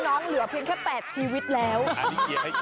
กลิ่นดือเป็นเหตุสังเกตได้